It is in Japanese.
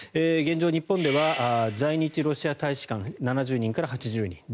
現状、日本では在日ロシア大使館７０人から８０人。